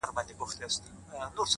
o خود به يې اغزی پرهر ـ پرهر جوړ کړي ـ